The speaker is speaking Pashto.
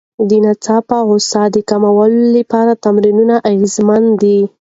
د ناڅاپه غوسې د کمولو لپاره تمرینونه اغېزمن دي.